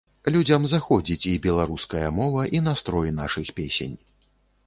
Людзям заходзіць і беларуская мова, і настрой нашых песень.